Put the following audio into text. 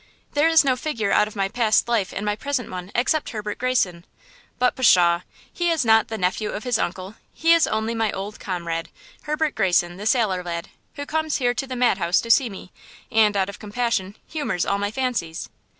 "There is no figure out of my past life in my present one except Herbert Greyson. But, pshaw! he is not 'the nephew of his uncle;' he is only my old comrade, Herbert Greyson, the sailor lad, who comes here to the madhouse to see me, and, out of compassion, humors all my fancies.